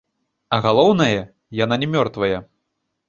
А галоўнае, яна не мёртвая.